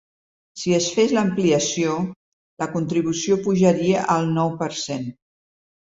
Si es fes l’ampliació, la contribució pujaria al nou per cent.